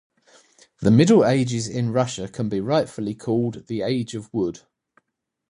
The Middle Ages in Russia can be rightfully called the age of wood.